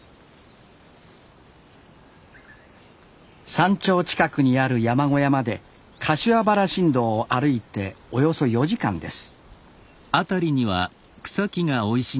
山頂近くにある山小屋まで柏原新道を歩いておよそ４時間です